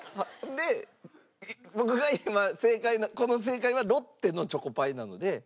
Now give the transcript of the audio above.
で僕が今正解のこの正解はロッテのチョコパイなので。